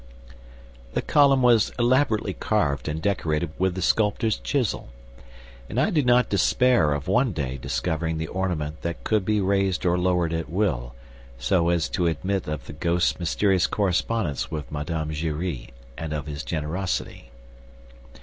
The column was elaborately carved and decorated with the sculptor's chisel; and I do not despair of one day discovering the ornament that could be raised or lowered at will, so as to admit of the ghost's mysterious correspondence with Mme. Giry and of his generosity.